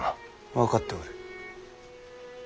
分かっておる。